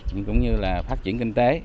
như cũng như là phát triển kinh tế